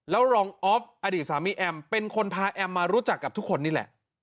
แล้วรองออฟอดีตสามีแอมเป็นคนพาแอมมารู้จักกับทุกคนนี่แหละ